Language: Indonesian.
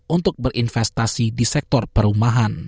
untuk berinvestasi di sektor perumahan